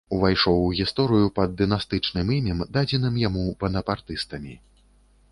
Увайшоў у гісторыю пад дынастычным імем, дадзеным яму банапартыстамі.